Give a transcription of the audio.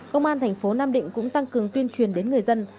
công an thành phố nam định cũng tăng cường tuyên truyền đến người dân